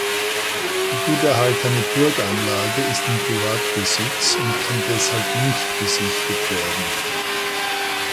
Die gut erhaltene Burganlage ist in Privatbesitz und kann deshalb nicht besichtigt werden.